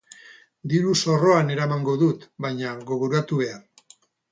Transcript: Diru-zorroan eramango dut baina gogoratu behar.